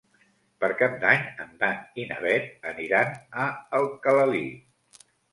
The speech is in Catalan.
Per Cap d'Any en Dan i na Bet aniran a Alcalalí.